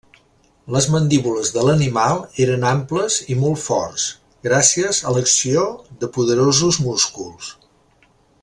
Les mandíbules de l'animal eren amples i molt forts, gràcies a l'acció de poderosos músculs.